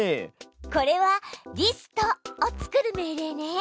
これは「リスト」を作る命令ね。